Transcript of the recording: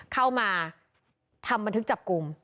เข้ามาทำบันทึกจับกลุ่ม